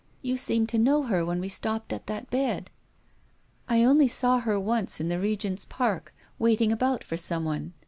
" You seemed to know her when we stopped at that bed." " I saw her once or twice, in the Regent's Park, waiting about for someone.